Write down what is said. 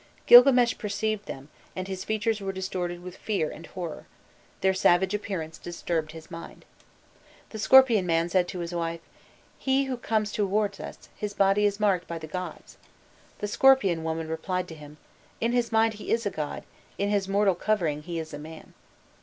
Grilgames perceived them, and his features were distorted with fear and horror; their savage appearance disturbed his mind. The scorpion man said to his wife: 'He who comes towards us, his body is marked by the gods.'* The scorpion woman replied to him: 'In his mind he is a god, in his mortal covering he is a man.